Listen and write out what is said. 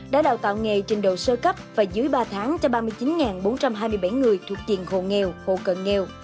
đã đào tạo nghề trình độ sơ cấp và dưới ba tháng cho ba mươi chín bốn trăm hai mươi bảy người thuộc diện hộ nghèo hộ cận nghèo